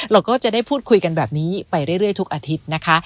เราก็จะได้พูดคุยกันแบบนี้ไปเรื่อยทุกอาทิตย์นะคะ